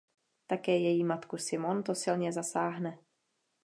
Také její matku Simone to silně zasáhne.